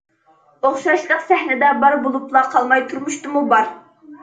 ئوخشاشلىق سەھنىدە بار بولۇپلا قالماي، تۇرمۇشتىمۇ بار.